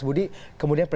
di lingkungan negara